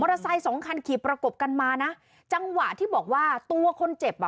ไซต์สองคันขี่ประกบกันมานะจังหวะที่บอกว่าตัวคนเจ็บอ่ะ